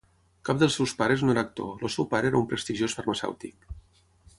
Cap dels seus pares no era actor, el seu pare era un prestigiós farmacèutic.